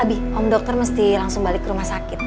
lebih om dokter mesti langsung balik ke rumah sakit